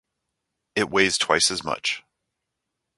It weighs twice as much.